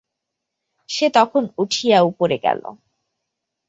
সে তখন উঠিয়া উপরে গেল।